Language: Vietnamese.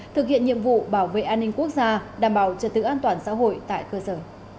thực hiện nhiệm vụ bảo vệ an ninh quốc gia đảm bảo trật tự an toàn xã hội tại cơ sở